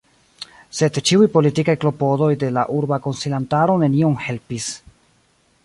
Sed ĉiuj politikaj klopodoj de la urba konsilantaro nenion helpis.